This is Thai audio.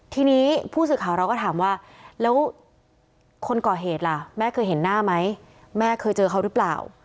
ทีนี้ผู้สื่อข่าวเราก็ถามว่าแล้วคนก่อเหตุล่ะแม่เคยเห็นหน้าไหมแม่เคยเจอเขาหรือเปล่า